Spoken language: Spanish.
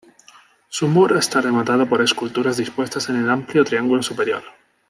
Su muro está rematado por esculturas dispuestas en el amplio triángulo superior.